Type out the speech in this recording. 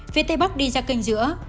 phía tây bắc đi ra kênh giữa